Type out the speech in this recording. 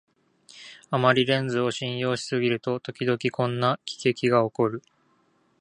あんまりレンズを信用しすぎると、ときどきこんな喜劇がおこる